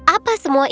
apa semua ini